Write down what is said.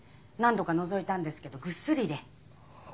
何度かのぞいたんですけどぐっすりで。